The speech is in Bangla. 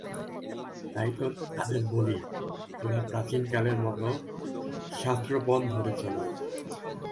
তাই তো তোদের বলি, তোরা প্রাচীন কালের মত শাস্ত্রপথ ধরে চল।